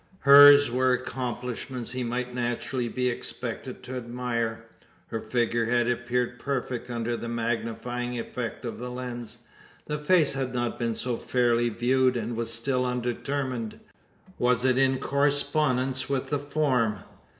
Hers were accomplishments he might naturally be expected to admire. Her figure had appeared perfect under the magnifying effect of the lens. The face had not been so fairly viewed, and was still undetermined. Was it in correspondence with the form?